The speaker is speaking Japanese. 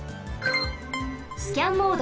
スキャンモード。